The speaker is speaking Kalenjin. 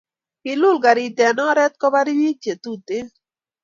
Kiul karit en oret kopar pik che Tuten